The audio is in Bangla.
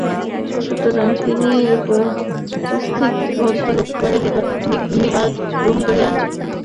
সুতরাং তিনি উপস্থিত ভদ্রলোকগণের নিকট বিদায় গ্রহণ করিয়া মন্দিরদর্শনে যাত্রা করিলেন।